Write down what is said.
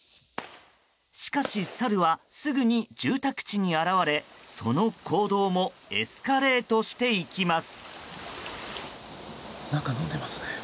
しかし、サルはすぐに住宅地に現れその行動もエスカレートしていきます。